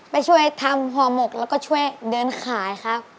ไปช่วยทำห่อหมกแล้วก็ช่วยเดินขายครับ